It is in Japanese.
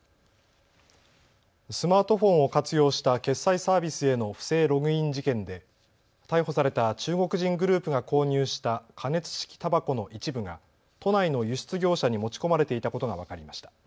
スマートフォンを活用した決済サービスへの不正ログイン事件で逮捕された中国人グループが購入した加熱式たばこの一部が都内の輸出業者に持ち込まれていたことが分かりました。